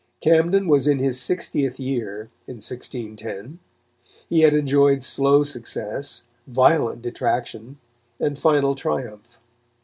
Camden was in his sixtieth year, in 1610; he had enjoyed slow success, violent detraction, and final triumph.